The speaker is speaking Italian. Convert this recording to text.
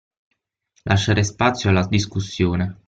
Lasciare spazio alla discussione.